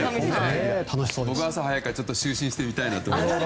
僕は朝早かったから就寝してみたいなと思いました。